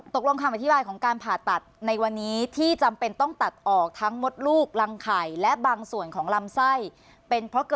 คำอธิบายของการผ่าตัดในวันนี้ที่จำเป็นต้องตัดออกทั้งมดลูกรังไข่และบางส่วนของลำไส้